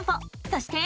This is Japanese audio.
そして。